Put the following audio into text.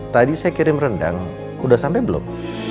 tadi saya kirim rendang udah sampe belum